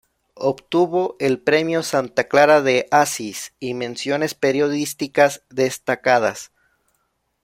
Obtuvo el premio Santa Clara de Asís y menciones periodísticas destacadas.